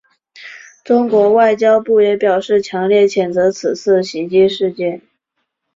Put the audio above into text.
中国外交部也表示强烈谴责此次袭击事件。